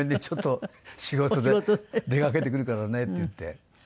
ちょっと仕事で出かけてくるからね」って言って。